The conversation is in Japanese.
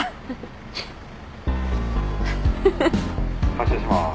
・発車します。